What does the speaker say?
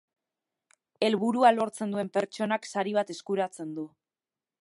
Helburua lortzen duen pertsonak sari bat eskuratzen du.